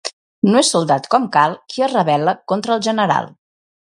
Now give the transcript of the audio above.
No és soldat com cal qui es rebel·la contra el general.